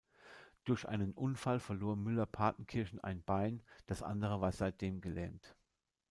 Durch einen Unfall verlor Müller-Partenkirchen ein Bein, das andere war seitdem gelähmt.